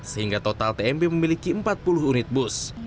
sehingga total tmp memiliki empat puluh unit bus